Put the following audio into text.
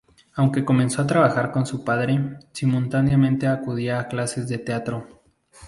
Aunque comenzó a trabajar con su padre, simultáneamente acudía a clases de teatro.